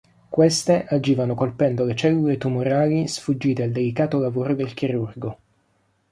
Queste agivano colpendo le cellule tumorali sfuggite al delicato lavoro del chirurgo.